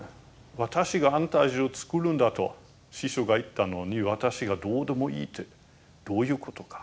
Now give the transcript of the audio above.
私が安泰寺を作るんだと師匠が言ったのに私がどうでもいいってどういうことか。